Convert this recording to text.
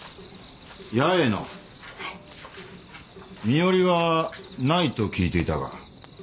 身寄りはないと聞いていたが。